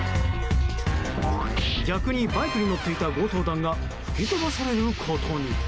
逆にバイクに乗っていた強盗団が吹き飛ばされることに。